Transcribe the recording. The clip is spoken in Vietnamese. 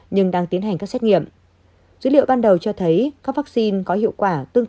nhưng đang tiến hành các xét nghiệm dữ liệu ban đầu cho thấy các vaccine có hiệu quả